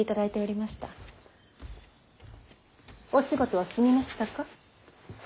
お仕事は済みましたか。